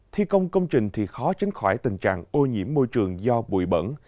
thi công công trình thì khó tránh khỏi tình trạng ô nhiễm môi trường do bụi bẩn